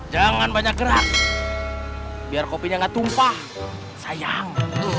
jangan banyak gerak biar kopinya gak tumpah sayang